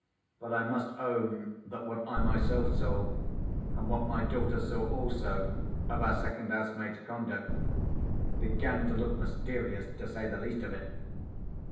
But I must own that what I myself saw, and what my daughter saw also, of our second housemaid's conduct, began to look mysterious, to say the least of it.